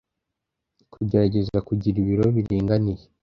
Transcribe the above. Kugerageza kugira ibiro biringaniye